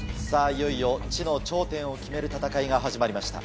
いよいよ知の頂点を決める戦いが始まりました。